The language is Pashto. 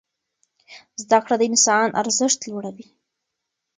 زده کړه د انسان ارزښت لوړوي.